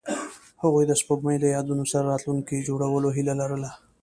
هغوی د سپوږمۍ له یادونو سره راتلونکی جوړولو هیله لرله.